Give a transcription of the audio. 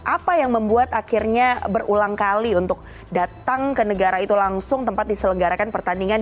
apa yang membuat akhirnya berulang kali untuk datang ke negara itu langsung tempat diselenggarakan pertandingan